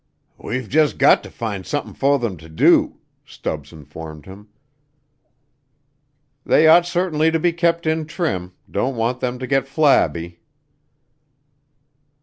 "We've jus' got to find something for them to do," Stubbs informed him. "They ought certainly to be kept in trim. Don't want them to get flabby."